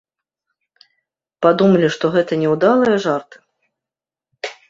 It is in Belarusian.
Падумалі, што гэта няўдалыя жарты?